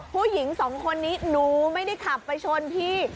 ผู้หญิงสองคนนี้หนูไม่ได้ขับไปชนพี่